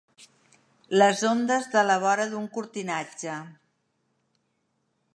Les ondes de la vora d'un cortinatge.